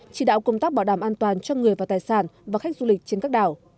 chỉ đạo công tác bảo đảm an toàn cho người và tài sản và khách du lịch trên các đảo